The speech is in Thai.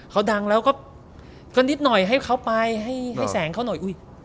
เขาดังแล้วก็นิดหน่อยให้เขาไปให้แสงเขาหน่อยอุ๊ย